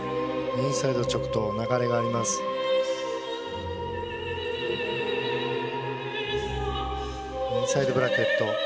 インサイドブラケット。